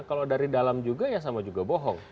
kalau dari dalam juga ya sama juga bohong